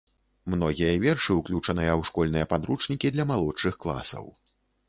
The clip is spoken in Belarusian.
Многія вершы ўключаныя ў школьныя падручнікі для малодшых класаў.